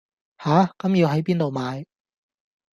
吓,咁要係邊到買